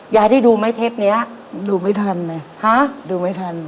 ยายได้ดูไหมเทปเนี้ยดูไม่ทันเลยฮะดูไม่ทัน